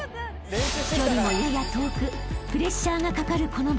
［距離もやや遠くプレッシャーがかかるこの場面］